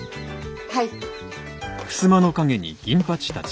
はい。